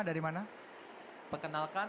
dari mana perkenalkan